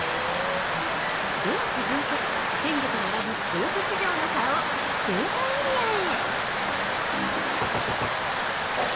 では続いて、鮮魚と並ぶ豊洲市場の顔「青果エリア」へ。